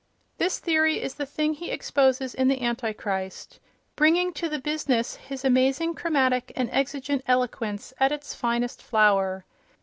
This theory is the thing he exposes in "The Antichrist," bringing to the business his amazingly chromatic and exigent eloquence at its finest flower.